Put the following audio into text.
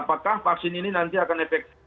apakah vaksin ini nanti akan efektif